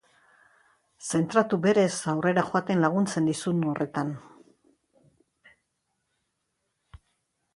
Zentratu berez aurrera joaten laguntzen dizun horretan.